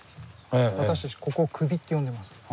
私たちここを「クビ」って呼んでます。